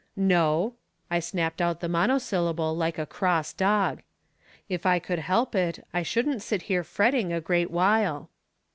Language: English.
" No," I snapped out the monosyllable Hke a cross dog. " If I could help it I shouldn't sit here fretting a great while."